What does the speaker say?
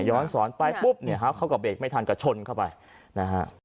ย้อนสอนไปปุ๊บเขากับเบรกไม่ทันก็ชนเข้าไปนะฮะ